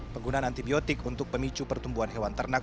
penggunaan antibiotik untuk pemicu pertumbuhan hewan ternak